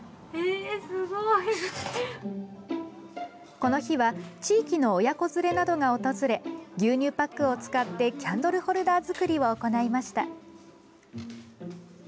この日は地域の親子連れなどが訪れ牛乳パックを使ってキャンドルホルダー作りを行いました。